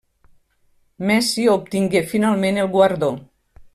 Messi obtingué finalment el guardó.